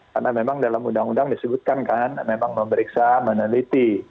karena memang dalam undang undang disebutkan kan memang memeriksa meneliti